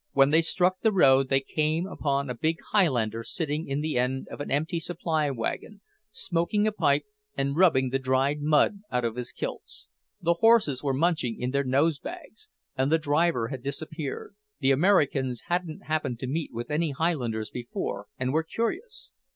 When they struck the road they came upon a big Highlander sitting in the end of an empty supply wagon, smoking a pipe and rubbing the dried mud out of his kilts. The horses were munching in their nose bags, and the driver had disappeared. The Americans hadn't happened to meet with any Highlanders before, and were curious.